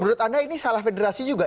menurut anda ini salah federasi juga